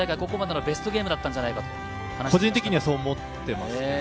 ここまでのベストゲームだったんじゃないかと話していました。